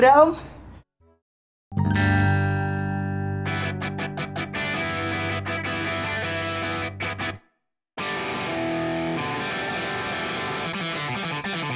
udah sampai revelasi